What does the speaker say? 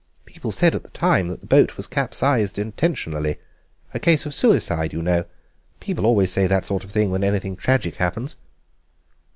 People said at the time that the boat was capsized intentionally—a case of suicide, you know. People always say that sort of thing when anything tragic happens."